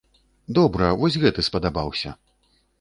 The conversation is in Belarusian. Добра, вось гэты спадабаўся.